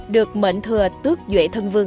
được mệnh thừa tước duệ thân vương